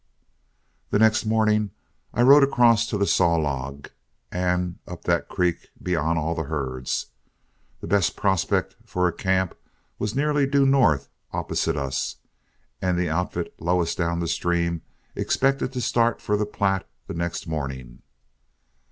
The next morning I rode across to the Saw Log, and up that creek beyond all the herds. The best prospect for a camp was nearly due north opposite us, as the outfit lowest down the stream expected to start for the Platte the next morning.